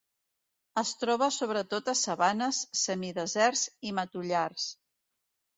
Es troba sobretot a sabanes, semideserts i matollars.